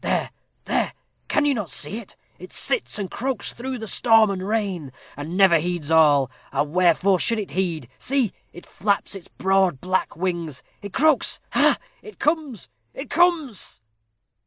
There, there can you not see it? it sits and croaks through storm and rain, and never heeds at all and wherefore should it heed? See, it flaps its broad black wings it croaks ha, ha! It comes it comes."